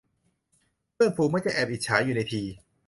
เพื่อนฝูงมักจะแอบอิจฉาอยู่ในที